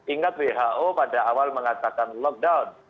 ingat who pada awal mengatakan lockdown